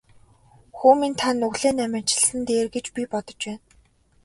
Хүү минь та нүглээ наманчилсан нь дээр гэж би бодож байна.